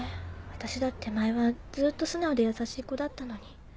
私だって前はずっと素直で優しい子だったのに。